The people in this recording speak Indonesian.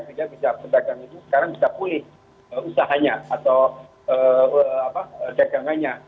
sehingga bisa pedagang itu sekarang bisa pulih usahanya atau dagangannya